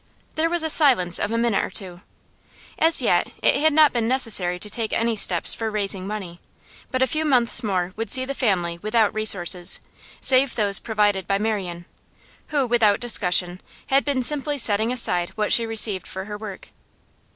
There was a silence of a minute or two. As yet it had not been necessary to take any steps for raising money, but a few months more would see the family without resources, save those provided by Marian, who, without discussion, had been simply setting aside what she received for her work.